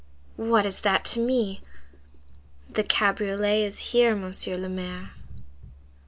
"What is that to me?" "The cabriolet is here, Monsieur le Maire."